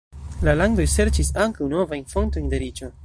La landoj serĉis ankaŭ novajn fontojn de riĉo.